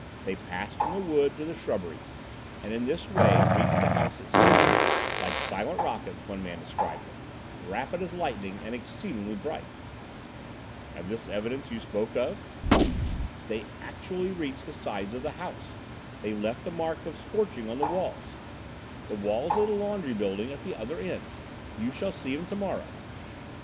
They passed from the wood to the shrubberies, and in this way reached the house itself. Like silent rockets, one man described them, rapid as lightning and exceedingly bright." "And this evidence you spoke of?" "They actually reached the sides of the house. They've left a mark of scorching on the walls—the walls of the laundry building at the other end. You shall see 'em tomorrow."